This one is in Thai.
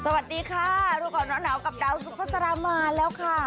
สวัสดีค่ะทุกคนเหนากับดาวสุภาษามาแล้วค่ะ